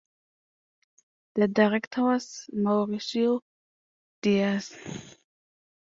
The director was Mauricio Dias.